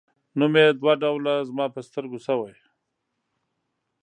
نوم یې دوه ډوله زما په سترګو شوی.